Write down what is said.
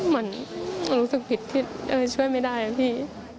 มันมันรู้สึกผิดช่วยไม่ได้พี่